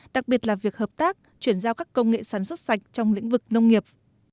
đặc biệt là việc hợp tác chuyển giao các công nghệ sản xuất sạch trong lĩnh vực nông nghiệp